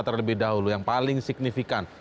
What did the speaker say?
terlebih dahulu yang paling signifikan